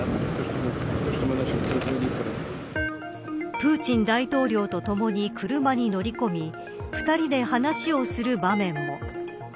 プーチン大統領とともに車に乗り込み２人で話をする場面も。